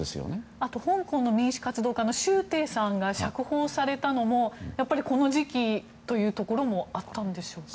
あと香港の民主活動家のシュウ・テイさんが釈放されたのもやっぱり、この時期というのもあったんでしょうか。